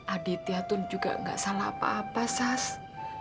aditya tun juga enggak salah apa apa sask